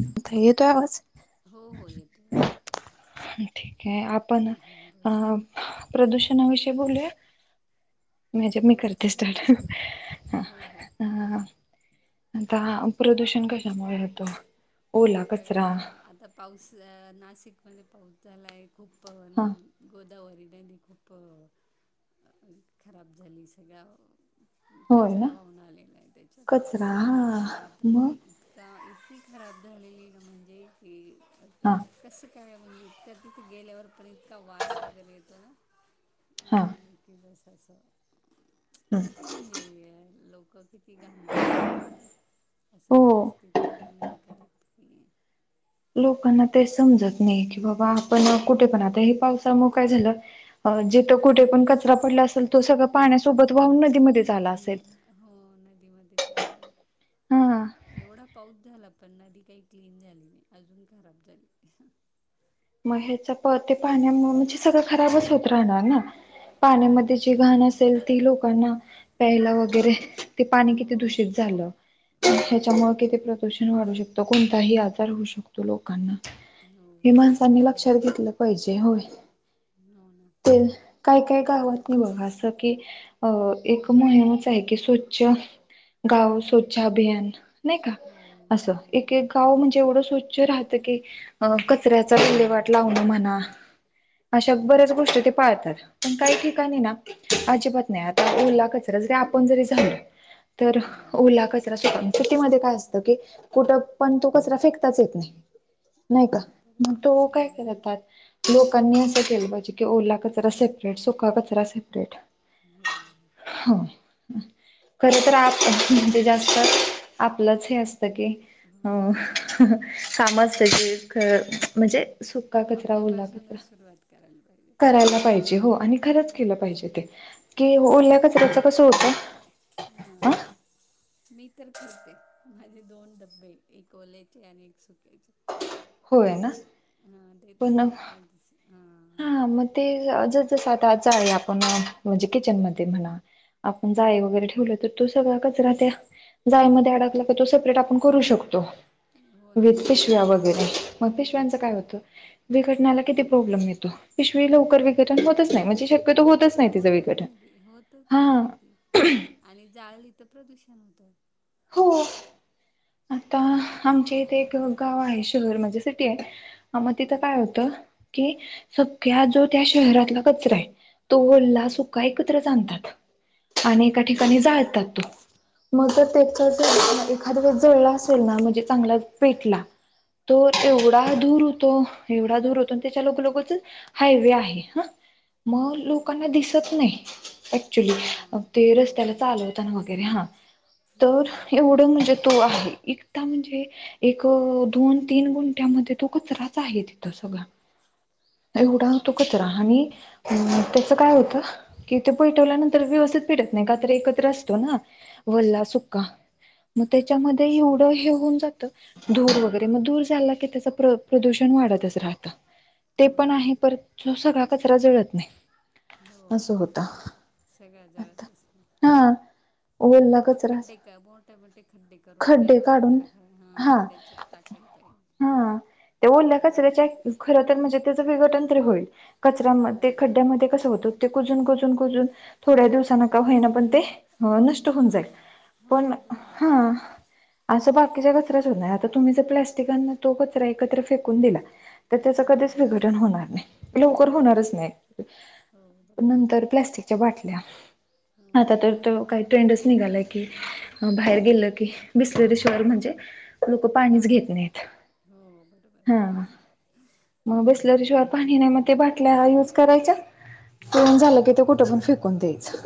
इथं येतोय आवाज हो हो येतो येतो ठीक आहे आपण हं, बोला अं प्रदूषणाविषयी बोलूया म्हजे हो मी करते चालेल स्टार्ट ना ह हो हो ह आता हा प्रदूषण कशामुळे होतो. ओला बघा कचरा आता आता पाऊस नाशिकमध्ये पाऊस झालाय खूप हा गोदावरी नदी खूप खराब झाली सगळ्या होय ना कचरा वाहुना आलेला आहे कचरा त्याच्यात हा मग बापरे का इतकी खराब झालेली ना म्हणजे की हा कसं का म्हणजे इतका तिथे गेल्यावर पण इतका वास वगैरे येतो हा न की बस असं किती म्हणजे लोक किती घाण टाकतात ना असं हो व्यवस्थित नाही हे करत की लोकांना ते समजत नाही की बाबा आपण हम्म कुठे पण आता हे पाऊस हा मग काय झाल जिथ कुठे पण कचरा पडला असेल तो सगळ पाण्यासोबत वाहून नदीमध्ये झाला वाहून असेल हो नदीमध्ये चालून हा एवढा पाऊस झाला पण नदी काही क्लीन झाली नाही अजून खराब झाली मग ह्याच प ते पाण्या म्हणजे सगळं खराबच होत राहणार ना हो पाण्यामध्ये जी बरोबर घाण असेल ती लोकांना प्यायला वगैरे ते पाणी किती हो दूषित झालं हो ह्याच्यामुळे किती प्रदुषण प्रदूषण वाढू शकतो कोणताही आजार होऊ शकतो लोकांना हं तिथ म लक्षात घेतलं पाहिजे होय. हो ना [unintelligible] काय काय गावात नाही बघा असं की अ एक मोहिमच आहे की स्वच्छ गाव स्वच्छ अभियान नाही का हो हो असं एक एक का म्हणजे एवढं स्वच्छ राहतं की कचऱ्याचा विल्लेवाट लावण म्हणा हो अशा बऱ्याच गोष्टी ते पाळतात पण काही ठिकाणी ना अजिबात नाही आता ओला कचरा जरी आपण जरी झालो तर हम्म ओला कचरा सु सिटीमध्ये काय असतं की कुठं पण तो कचरा फेकताच येत नाही नाही का? हो मग बरोबर तो काय हम्म करतात. लोकांनी असं केलं पाहिजे की ओला कचरा सेपरेट सुका कचरा सेपरेट हो. हो. खर तर म्हणजे जास्त आपलंच हे असतं की अ हो काम असत की म्हणजे सुका कचरा ओला कचरा‌ आपल्यापासूनच सुरुवात करायला पाहिजे करायला पाहिजे हो आणि खरंच केलं पाहिजे ते की ओल्या कचराच कस तेल करते. ह मी तर करते माझे दोन डबे एक ओल्याचे आणि एक सुक्याचे. होय ना. हा ते पण त्यांनाच माहितीस. हा मग ते जस आता आच आहे आपण म्हणजे किचन मध्ये म्हणा आपण जाळी हो वगैरे ठेवलं तर तो सगळा कचरा त्या जाळयामध्ये अडकला तो सेपरेट आपण करू शकतो. हो ना व्यक्तीश या वगैरे मग पिशव्यांचं काय होतं विघटनाला किती प्रॉब्लेम येतो. पिशवी हो लवकर विघटन होतच नाही म्हणजे शक्यतो होतच नाही होतं तिचं विघटन नाही ते हा होतचच नाही ते आणि जाळली तरं प्रदूषण होतं. हो. आता आमचे इथे मग एक गाव आहे शहर म्हणजे सिटी आहे. आ मग तिथं हं काय होतं कि सग्या जो त्या शहरातला कचरा आहे. तो वल्ला हां सुका एकत्र जाणतात. आणि हां एका ठिकाणी जाळात तो मग अच्छा त्याच ज एखाद वळे जळला असेल ना म्हणजे चांगला पेटला तो हां तेवढा धुर होतो. एवढा धुर होतो त्याच्या लोग लोगच हायवे आहे ह हो मग बरोबर लोकांना दिसत नाही ऍक्च्युली हां ते हो रस्त्याला चालत वगैरे हा तर हं एवढं म्हणजे तो आहे एकदा म्हणजे एक दोन तीन गुंट्यामध्ये तो कचराच आहे तिथं सगळा. एवढा अच्छा तो कचरा आणि त्याच काय होतं. कि ते पैठवल्यानंतर व्यवस्थित पेटत नाही का तर एकत्र असतो ना वल्ला सुक्का त्याच्यामध्ये एवढं हे होऊन जातं. ूर वगैरे मग दूर झाला की त्याच प्रदूषण वाढतच राहतं. ते हो पण ना आहे पर तो सगळा कचरा जळत नाही. हो असं होत बरोबर सगळ्या जळ आता तस आहे हा ओला एकतर मग कचरा खड्डे कॅमो टॅमटे खं्डे [unintelligible] करून खड्डे त्यामध्ये काढून टाका हा त्या चूप टाकायला पाहिजे. हा ते ल्खच हम्म. त्याच्या [unintelligible] खर तर म्हणजे त्याचं विघटन तरी होईल कचऱ्यामध्ये हो ते बरोबर खड्ड्यामध्ये आहे. कसं होतं ते कुजून कुजून कुजून थोड्या दिवसांन का होईना पण ते ह नष्ट होऊन जाईल हां हो पण बरोबर हा आहे. असं बाकीचा कचराच हो आता तुम्ही जर प्लाॅस्टिकांन तो कचरा एकत्र फेकून दिला तर त्याच कधीच हां विघटन होणार नाही लवकर होणारच नाही. हो बरोबर नंतर प्लास्टिकच्या बाटल्या हो आता तर तो काय ट्रेंडच निघालाय की बाहेर गेलं की बिसलेरी शिवाय म्हणजे लोक पाणीच घेत कामच आहे नाहीत हो बरोबर हा मग बिसलेरी शिवाय पाणी नाही मग ते बाटल्या हा युज करायच्या पिऊन हां झालं की ते कुठं पण फेकून द्यायचं.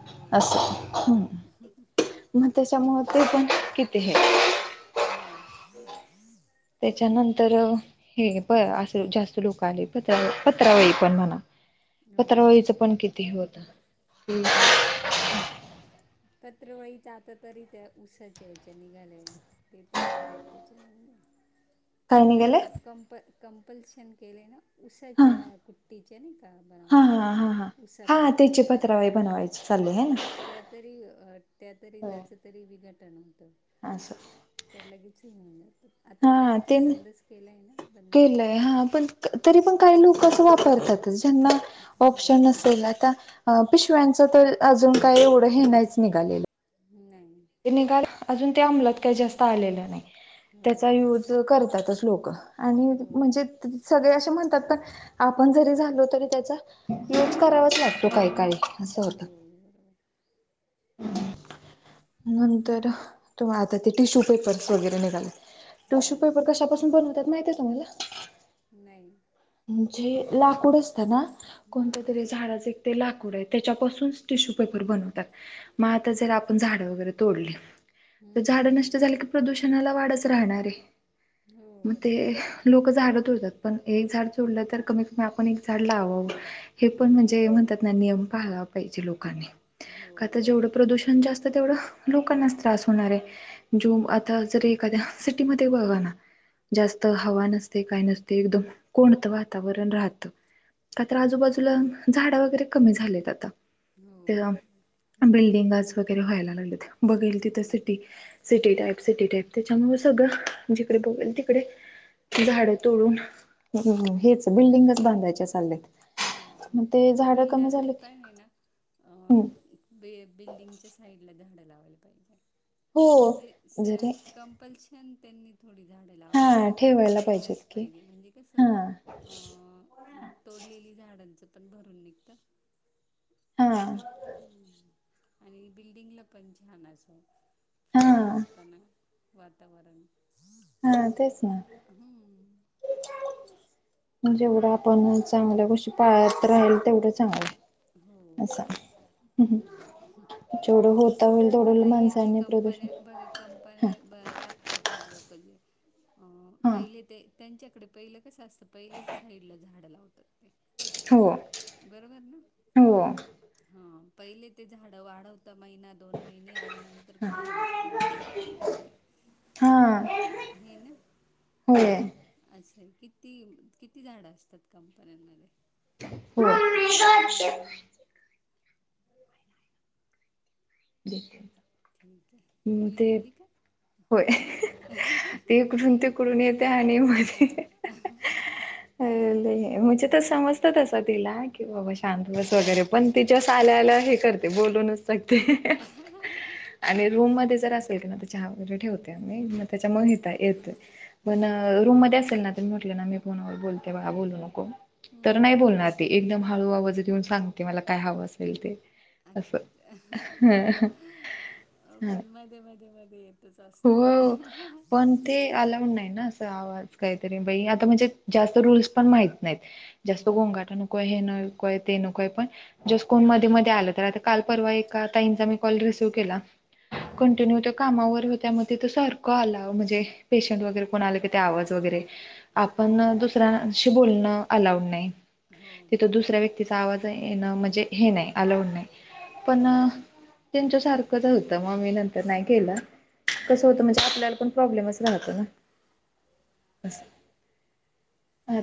हो असस बरोबर हम. त्यामुळे ते पण किती हे हो ना. त्याच्यानंतर अ हे प असे जास्त लोक आले पत्र पत्रावळी पण म्हणा हो पत्रावाळीचं पण किती हे होतं. हो ना पत्रावळी आता तरी त्या ऊसाचे ह्याच्या निघालेय. ते तरी बरंय त्याच्यामुळ काय आता ते निघाले कंप कंपल्शन केले ना हा उसाच्या कुठ त्याच्या नाय का हा बनवतात हा ते हा हा हा उसापासून त्याची पत्रावळी बनवायची चालली आहे ना बनवतात त्यात तरी अ त्या तरी त्याच तरी विघटन होतं. अस. त्या लगेच हे होऊन जात. हा ते बंदच केलंय केलं आहे हा पण शक्य तरी पण काही लोक असं वापरतात. ज्यांना ऑपशन हम्म, नसल आता अ पिशव्यांचं तर अजून काही एवढं हे नाहीच निघालेलं नाही. ते निघाल अजून ते अंमलत काही जास्त आलेलं नाही हो त्याचा युज करतातच लोक आणि हो म्हणजे सगळे असे म्हणतात पण आपण जरी झालोत तरी त्याचा यूज करावाच लागतो काही काळी असं होतं. बरो [inaudible] नंतर तु्ला आता ते टिश्यू पेपर्स वगैरे निघालेत. थ हो टीशू पेपर कशापासून बनवतात माहित आहे तुम्हाला नाही. म्हणजे लाकूड असतं ना हां कोणत्या तरी झाडाचे ते लाकूड आहे त्याच्यापासून टिश्यू पेपर बनवतात. मग आता जर आपण झाडं वगैरे तोडली तर झाड हम्म, नष्ट झालं की प्रदूषणाला वाढच राहणारये हो म ते बरोबर लोक झाडं तोडतात पण एक झाड तोडलं तर कमीत कमी आपण एक झाड लावावं. हे पण हो म्हणजे म्हणतात ना नियम पाळायला पाहिजे लोकांनी हो का तर जेवढं बरोबर प्रदूषण जास्त तेवढ लोकांनाच त्रास होणार आहे जो हम्म आता जर एखाद्या सिटीमध्ये बघा ना जास्त हवा नसते काय नसते एकदम कोणतं वातावरण राहतं का तर आजूबाजूला झाड वगैरे कमी झालेत आता हो ते बरोबर हम्म, बिल्डिंगज वगैरे व्हायला लागले बघल तथ हम्म. सिटी टाप सिटी टाप तेच्यामुळे सगळं जिकडे बघल तिकडे झाड तोडून हेच बिल्डिंगच बांधायचे चाललेत. हो प बिल्डरनी की पण आहे ना. हम्म बिल्डिंगच्या साईडला झाड लावायला पाहिजे म्हणजे हो जरी सेहद कम पलशन त्यांनी थोडी झाडं लावाय हा जागा ठेवायला पाहिजेत ठेवायलाच की पाहिजे म्हणजे कसं हा अं तोडलेली झाडांचं पण भरून निघत हा नाही का? आणि बिल्डिंगला पण छान अस हा फ्रेशनेस पणा वातावरण हा तेच ना हम्म. जेवढं आपण चांगल्या गोष्टी पाळत राहील तेवढं चांगलं हो असं बरोबर जेवढं होता होईल आता तेवढं ही जी माणसांनी प्रदूषण कंपन्या बघ. हा कंपन्या टाकतात लोक ही लोक जे उंम हा पहिले ते त्यांच्याकडे पहिलं कसं असतं पहिले साईड ला झाड लावतात ते हो हो... हा पहिले ते झाडं वाढवत महिना दोन महिने आणि नंतर हा कंपनीचं काम सुरू करतात ते हा हे ना. होय.... असं आहे किती किती झाडं असतात कंपन्यांमध्ये मम्मी स्वच्छ हां [inaudible] ठीक आहे हम्म मुलगी ते आली का? होय हीकडून तेिकडून येते आणि मग..... हां अ ल मध्ये म्हणजे तर मध्ये समजतात मुलगा त तिला कि बाबा शांत बस वगैरे पण तिच्या साल्याला हे करते बोलूनच. गते आणि रूम मध्ये जर असेल ना त्याच्या ह..... ठेवते आ त्याच्या म येतो पण हां रूम म असेल ना. म्हटलं ना मी फोनावर बोलते बा बोलू नको तर नाही हम्म. बोलणार एकदम हळू आवाज देऊन सांगते मला काय हवं असेल ते अच्छा असं अच्छा छान पण मध्ये मध्येे मध्ये येत..... तच असतय.. हो. पण ते अलाउड नाही ना अस आवाज काहीतरी बाई आता म्हणजे जास्त रूल्स पण माहित नाहीत. जास्त हां गोगाटा नको आहे हे नको आहे ते नको आहे पण जस कोन मध्ये मध्ये आल तर आता काल परवा ए ताईंचा मी कॉल रिसीव्ह केला. हं, कंटिन्यू तर कामावर..... त्या त सारखं आला म्हणजे पेशंट वगैरे कोण आले क आवाज वगैरे... हां आपण हां दुसऱ्यांशी बोलणं अलाउड नाही हो तिथं बरोबर दुसऱ्या व्यक्ती तिचा आवाज येणं म्हणजे हे नाही अलाऊड नाही पण हं, त्यांच्या सारखंच होतं मग मी नंतर नाही केलं.... कसं होतं म्हणजे हां आपल्याला पण प्रॉब्लेमच राहतो ना...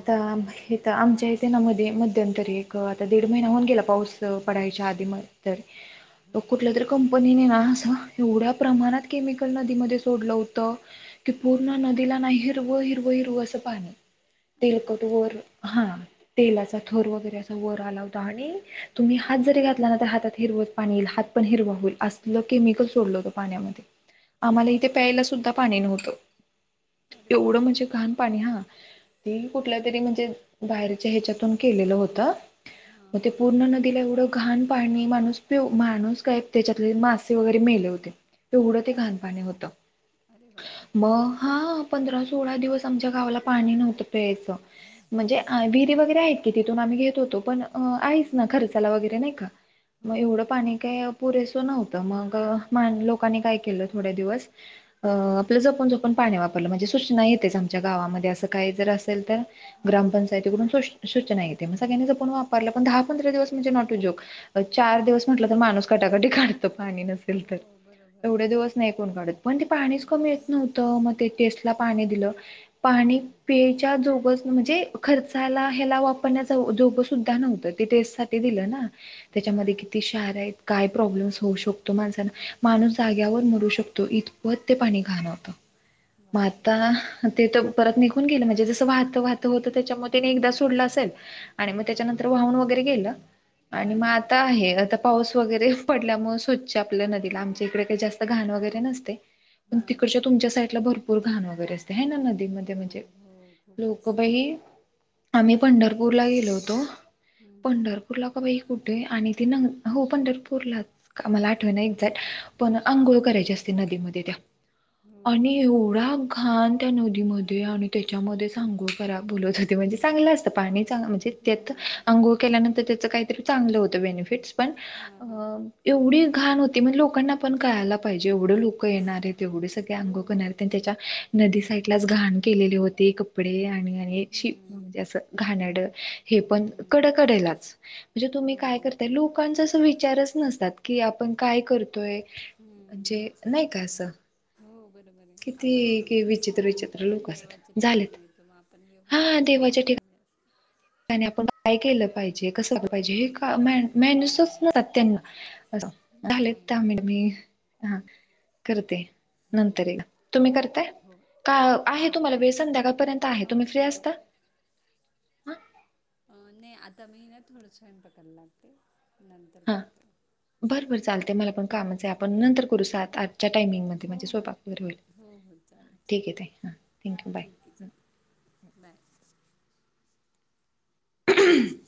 हो ना आमच्या इथे ना मध्ये मध्यंतरी एक आता दीड महिना होऊन गेला पाऊस पढायच्या आधी म तर ग हां कुठल्या तरी कंपनीने ना असं एवढ्या प्रमाणात केलीत नदीमध्ये सोडलं होत की पूर्ण हां नदीला ना असं हिरवं हिरव हिरवं असं पाणी अरे तेलकट बापरे वर हा तेलाचा थर हं, वगैरे असं वर आला होता आणि तुम्ही हात हं. जरी घातला ना तर हातात हिरवत पाणी येईल हात पण हिरवा होईल असलं केमिकल सोडलं होतं पाण्यामध्ये अरे आम्हाला इथे बापरे प्यायला सुद्धा पाणी नव्हतं अरे एवढं बापरे म्हणजे घाण पाणी हा ते कुठल्या तरी म्हणजे बाहेरच्या ह्याच्यातून केलेलं होतं. हां हो ते हां पूर्ण नदीला एवढं घाण पाणी माणूस प माणूस काय त्याच्यातले मासे वगैरे मेले होते तेवढं ते घाण पाणी होत अरे बापरे मग हा पंधरा सोळा दिवस आमच्या गावाला पाणी नव्हतं पियाच म्हणजे विहिरी अच्छा वगैरे आहेत. की तिथून आम्ही घेत होतो पण आहेच ना हां खर्चाला वगैरे नाही का हो मग एवढं बरोबर पाणी काय पुरेसं नव्हतं मग मा हं, लोकांनी काय केलं थोड्या दिवस हं. आपलं जपून जपून पण पाणी वापरलं म्हणजे सूचना येतेच आमच्या गावामध्ये असं काही जर असेल तर. हां हां ग्रामपंचायतीकडून सूचना येते मग सगळ्यांनी जपुण वापरलं पण दहा पंधरा दिवस म्हणजे नॉट अं जोक. अं चार दिवस म्हटलं तर माणूस कटाकटी काढतो पाणी नसेल हो तर बरोबर एवढे दिवस नाही कोण काढत पण ते पाणीच कमी येत नव्हतं मग ते टेस्टला पाणी दिलं पाणी हां पेच्या जोगं म्हणजे खर्चाला ह्याला वापरण्याचा जोगं सुद्धा नव्हतं तेे. ते दिलं ना त्याच्यामध्ये हां किती क्षार आहेत काय प्रॉब्लेम हो होऊ शकतो बरोबर माणसाना माणूस जाग्यावर मरू शकतो इतपत ते पाणी घाण होतं. मग बापरे आता ते तर परत हं, निघून गेलं म्हणजे जसं वाहत वाहत होतं त्याच्यामध्ये हो एकदा सोडलं असेल. आणि मग हां हां त्याच्यानंतर वाहूण वगैरे गेलं हां आणि मग हां आता आहे आता पाऊस वगैरे पडल्यामुळे स्वच्छ आपल्या नदीला आमच्या इकडे काही जास्त घाण वगैरे नसते. पण हां हां तिकडच्या तुमच्या साईडला भरपूर घाण वगैरे असते हाय ना हो नदीमध्ये म्हणजे हो खूप असतं लोकंबाई आम्ही पंढरपूरला गेलो होतो हं हं पंढरपूरला का बाई कुठे आहे आणि ती नंग हो पंढरपूरलाच मला आठव ना एक्झॅक्ट पण आंघोळ करायची असते नदीमध्ये त्या हो हो आणि एवढा घान त्या नदीमध्ये आणि त्याच्यामध्येच आंगोळ करा बोलत होते म्हणजे चांगलं असतं पाणी चांगल म्हणजे हां त्यात हां अंंगोळ केल्यानंतर त्याचं काहीतरी चांगलं होतं बेनिफिटस पण हां हां अ एवढी घाण होती म्हणजे लोकांना पण कळायला पाहिजे एवढे लोक येणार आहेत ऐवढे सगळे हो अंगोळ करनार बरोबर आहेत त्याच्या हं नदी सा साइडलाच घाण केली होती कपडे आणि आणि शी म्हणजे असं घाण्यारड हे पण हं कडकडेलाच. म्हणजे तुम्ही हो काय करताय लोकांचा असं विचारच नसतात की आपण काय करतोय. हं म्हणजे नाही का असं हो बरोबर आहे आपण किती कि तीर्थ विचित्र स्थान विचित्र येतो ना लोक देवाच्या असतात झालेत ठिकाणी येतो मग आपण हा व्यवस्थित तर राहिला देवाच्या पाहिजे. आपण काय केलं पाहिजे कसं पाहिजे हे मॅनसच नसतात त्यांना असं नाही झाले त्या नाही हा करते. हो नंतर येक तुम्ही करताय हो का ठीक आहे हो तुम्हाला वेळ ठीक संध्याकाळपर्यंत आहे हो तुम्ही फ्री ठीक आहे असता? हा अं नाही आता मीना थोडं स्वयंपाकाला लागते नंतर हा करते. बरं बर हं चालतंय मला पण कामच आहे आपण नंतर करू सात आठ च्या टायमिंगमध्ये हो म्हणजे हो स्वयंपाक वगैरे होईल हो हो ठीक आहे ताई हां थँक्यू बाय. तिचा. बाय. हम्,